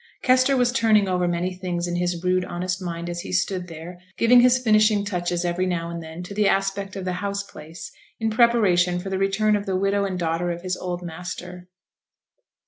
Kester was turning over many things in his rude honest mind as he stood there, giving his finishing touches every now and then to the aspect of the house place, in preparation for the return of the widow and daughter of his old master.